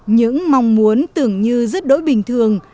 những mong muốn tưởng như rất đối bình thường